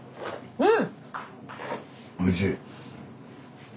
うん。